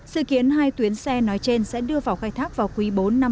dự kiến hai tuyến xe nói trên sẽ đưa vào khai thác vào quý bốn năm hai nghìn một mươi chín